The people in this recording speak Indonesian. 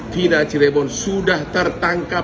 kita cirebon sudah tertangkap